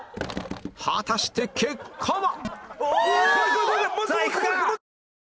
果たして結果は？